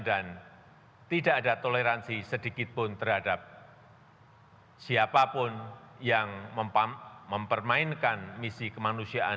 dan tidak ada toleransi sedikitpun terhadap siapa pun yang mempermainkan misi kemanusiaan